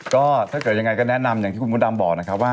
ก็ถ้าเกิดยังไงก็แนะนำอย่างที่คุณมดดำบอกนะครับว่า